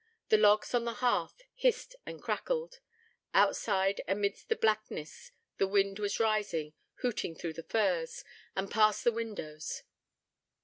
The logs on the hearth hissed and crackled. Outside, amid the blackness the wind was rising, hooting through the firs, and past the windows.